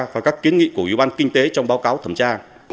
và các kiến nghị của ủy ban kinh tế trong báo cáo thẩm tra